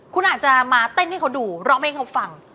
คุณอาจจะมาเต้นให้เขาดูร้องเพลงให้เขาฟัง